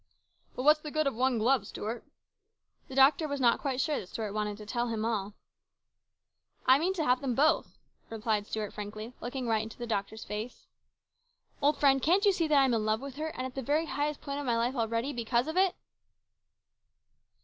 " But what's the good of one glove, Stuart ?" The doctor was not quite sure that Stuart wanted to tell him all. " I mean to have them both," replied Stuart frankly, looking right into the doctor's face. " Old friend, can't you see that I am in love with her, and at the very highest point of my life already because of it